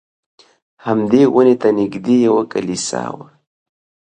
همدې ونې ته نږدې یوه کلیسا وه.